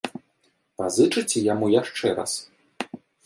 Пазычыце яму яшчэ раз?